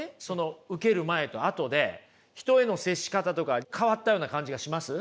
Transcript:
受ける前と後で人への接し方とか変わったような感じがします？